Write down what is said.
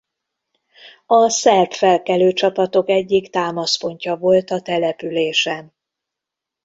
A szerb felkelő csapatok egyik támaszpontja volt a településen.